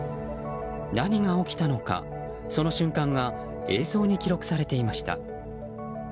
何が起きたのか、その瞬間が映像に記録されていました。